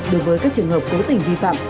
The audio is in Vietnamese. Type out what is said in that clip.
đối với các trường hợp cố tình vi phạm